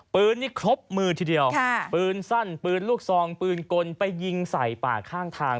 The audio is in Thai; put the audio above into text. ปืนนี่ครบมือทีเดียวปืนสั้นปืนลูกซองปืนกลไปยิงใส่ป่าข้างทาง